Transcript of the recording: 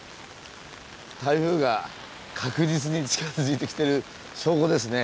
台風が確実に近づいてきてる証拠ですね。